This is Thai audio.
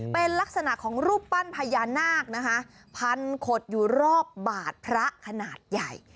เป็นลักษณะของรูปปั้นพญานาคนะคะพันขดอยู่รอบบาดพระขนาดใหญ่